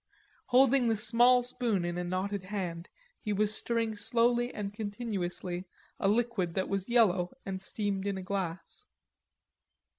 Holding the small spoon in a knotted hand he was stirring slowly and continuously a liquid that was yellow and steamed in a glass.